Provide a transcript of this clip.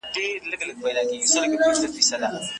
آیا ته به ما ته د خپل دفتر پته راکړې؟